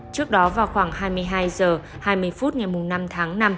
trước đó vào khoảng hai mươi hai h hai mươi phút ngày năm tháng năm